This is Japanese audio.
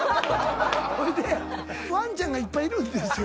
ほいでワンちゃんがいっぱいいるんですよ。